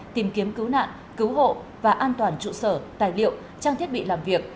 tìm kiếm cứu nạn cứu hộ và an toàn trụ sở tài liệu trang thiết bị làm việc